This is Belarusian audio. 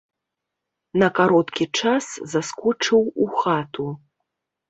На кароткі час заскочыў у хату.